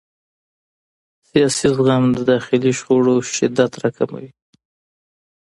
سیاسي زغم د داخلي شخړو شدت راکموي